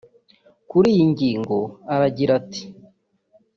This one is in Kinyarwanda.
Kuri iyi ngingo aragira ati